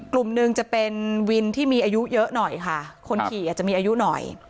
กลุ่มหนึ่งจะเป็นวินที่มีอายุเยอะหน่อยค่ะคนขี่อาจจะมีอายุหน่อย